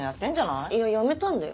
いややめたんだよ。